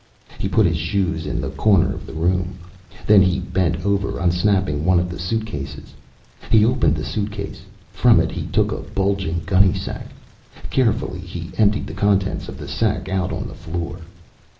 He put his shoes in the corner of the room. Then he bent over, unsnapping one of the suitcases. He opened the suitcase. From it he took a bulging gunnysack. Carefully, he emptied the contents of the sack out on the floor.